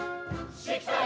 「しきたり」